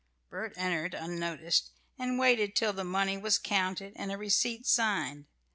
Bert entered unnoticed and waited till the money was counted and a receipt signed.